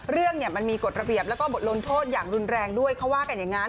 เรื่องเนี่ยมันมีกฎระเบียบแล้วก็บทลงโทษอย่างรุนแรงด้วยเขาว่ากันอย่างนั้น